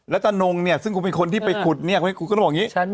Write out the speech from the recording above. แล้วตานงเนี่ยซึ่งเป็นคนที่ไปขุดบอกอย่างนั้น